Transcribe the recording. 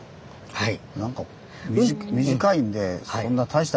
はい。